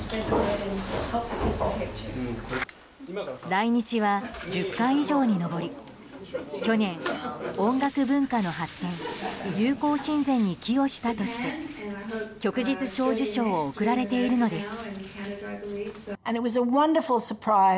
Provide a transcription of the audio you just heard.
来日は１０回以上に上り去年、音楽文化の発展友好親善に寄与したとして旭日小綬章を贈られているのです。